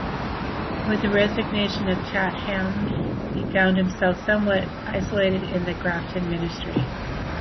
With the resignation of Chatham, he found himself somewhat isolated in the Grafton Ministry.